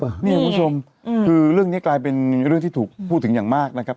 คุณผู้ชมคือเรื่องนี้กลายเป็นเรื่องที่ถูกพูดถึงอย่างมากนะครับ